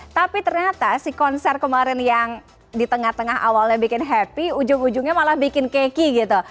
tapi ternyata si konser kemarin yang di tengah tengah awalnya bikin happy ujung ujungnya malah bikin keki gitu